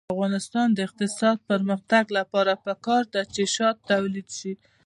د افغانستان د اقتصادي پرمختګ لپاره پکار ده چې شات تولید شي.